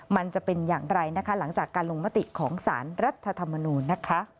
มันจะเป็นอย่างไรนะคะหลังจากการลงมติของสารรัฐธรรมนูญนะคะ